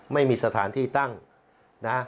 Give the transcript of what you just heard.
ไม่มีสถานที่ตั้งนะ